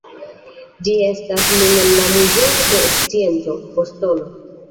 Ĝi estas nun en la muzeo de scienco, Bostono.